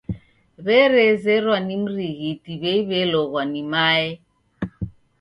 W'erezerwa ni mrighiti w'ei w'elogwa ni mae!